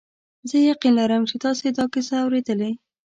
زه یقین لرم چې تاسي دا کیسه اورېدلې.